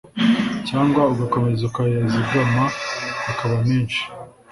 cyangwa ugakomeza ukayazigama akaba menshi